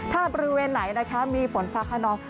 ถ้าบริเวณไหนนะคะมีฝนฟ้าขนอง